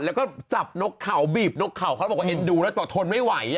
แล้วก็จับนกเขาบีบนกเขาเขาบอกว่าเอ็นดูแล้วบอกทนไม่ไหว